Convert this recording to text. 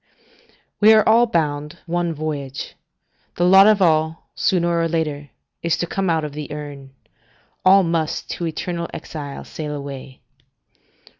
["We are all bound one voyage; the lot of all, sooner or later, is to come out of the urn. All must to eternal exile sail away."